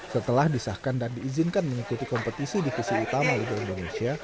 setelah disahkan dan diizinkan mengikuti kompetisi divisi utama liga indonesia